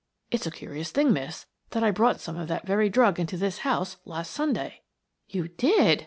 "It's a curious thing, miss, that I brought some of that very drug into this house last Sunday." "You did!"